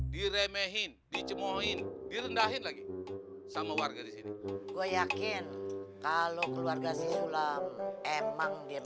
diremehin dicemohin direndahin lagi sama warga di sini gue yakin kalau keluarga si sulam emang dia